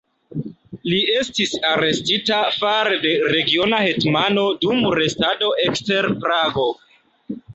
Li estis arestita fare de regiona hetmano dum restado ekster Prago.